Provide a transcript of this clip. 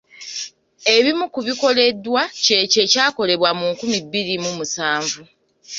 Ebimu ku bikoleddwa kyekyo ekyakolebwa mu nkumi bbiri mu musanvu.